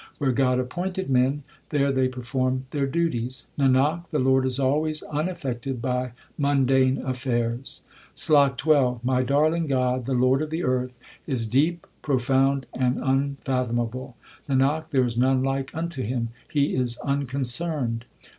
Where God appointed men there they perform their duties. Nanak, the Lord is always unaffected by mundane affairs. 2 SLOK XII My darling God, the Lord of the earth, is deep, profound, and unfathomable ; Nanak, there is none like unto Him, He is unconcerned.